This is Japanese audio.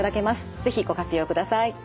是非ご活用ください。